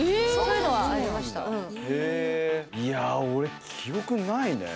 いやあ俺記憶にないね。